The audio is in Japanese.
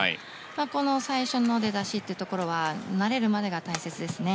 この最初の出だしのところは慣れるまでが大切ですね。